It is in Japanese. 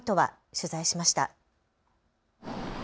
取材しました。